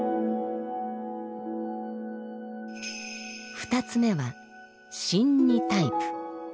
２つ目は「瞋恚」タイプ。